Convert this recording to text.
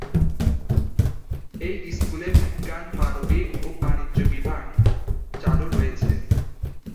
এই স্কুলে বিজ্ঞান, মানবিক ও বাণিজ্য বিভাগ চালু রয়েছে।